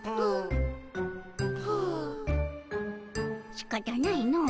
しかたないのう。